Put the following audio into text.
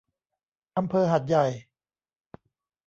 อำเภอหาดใหญ่